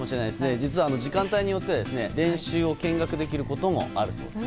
実は時間帯によっては練習を見学できることもあるそうです。